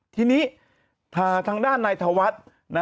ทีนี้ทางด้านในทวัดนะ